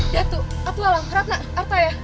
datu atulalang ratna arta ya